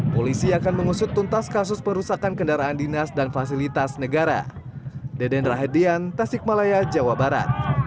polisi akan mengusut tuntas kasus perusakan kendaraan dinas dan fasilitas negara